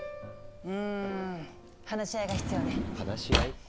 うん話し合いが必要ね。話し合い？